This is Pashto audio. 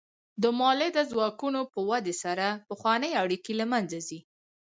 د مؤلده ځواکونو په ودې سره پخوانۍ اړیکې له منځه ځي.